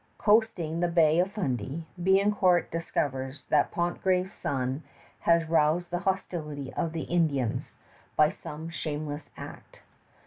Coasting the Bay of Fundy, Biencourt discovers that Pontgravé's son has roused the hostility of the Indians by some shameless act.